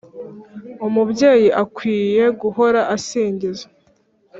umubyeyi akwiye guhora asingizwa